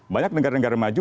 banyak negara negara maju